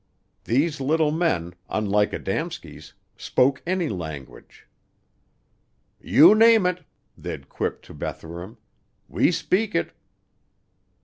These little men, unlike Adamski's, spoke any language. "You name it," they'd quipped to Bethurum, "we speak it."